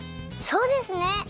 そうですね！